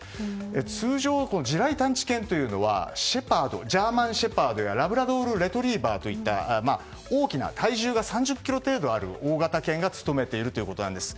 通常、地雷探知犬というのはジャーマンシェパードやラブラドルレトリバーといった体重が３０ｋｇ以上の大型犬が務めているということなんです。